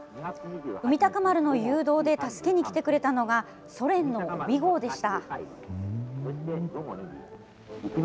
海鷹丸の誘導で助けに来てくれたのが、ソ連のオビ号でした。